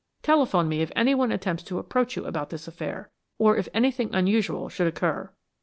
Telephone me if anyone attempts to approach you about this affair, or if anything unusual should occur."